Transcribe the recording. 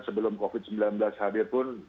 sebelum covid sembilan belas hadir pun